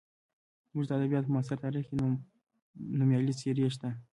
زموږ د ادبیاتو په معاصر تاریخ کې نومیالۍ څېرې شته.